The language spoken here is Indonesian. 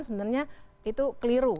sebenarnya itu keliru